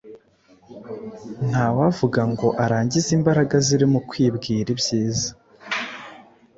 Ntawavuga ngo arangize imbaraga ziri mu kwibwira ibyiza.